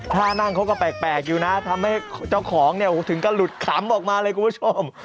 ท่านั่งเขาก็แปลกอยู่นะทำให้เจ้าของเนี่ยถึงก็หลุดขำออกมาเลยคุณผู้ชม